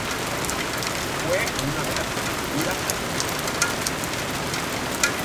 Fue una de las figuras del equipo.